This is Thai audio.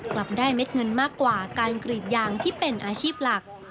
กลับได้เม็ดเงินมากกว่าการกรีดยางที่เป็นอาชีพหลัก